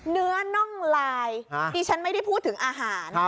เนื้อน่องลายนี่ฉันไม่ได้พูดถึงอาหาร